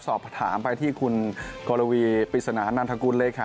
สอบถามไปที่คุณกรวีปริศนานันทกุลเลยค่ะ